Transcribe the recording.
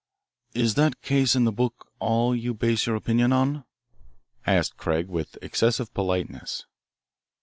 "Is that case in the book all you base your opinion on?" asked Craig with excessive politeness.